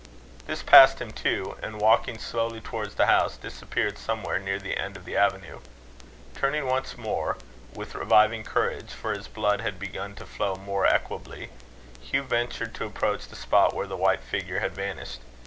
This passed him too, and, walking slowly towards the house, disappeared somewhere, near the end of the avenue. Turning once more, with reviving courage for his blood had begun to flow more equably Hugh ventured to approach the spot where the white figure had vanished.